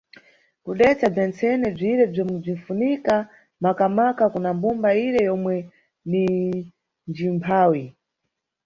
Kudetsa bzentsene bzire bzomwe bzinʼfunika makamaka kuna mbumba ire yomwe ni njimphawi.